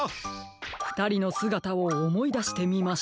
ふたりのすがたをおもいだしてみましょう。